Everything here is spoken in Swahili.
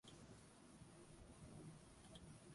Daktari huyu alisoma katika chuo kikuu cha Mombasa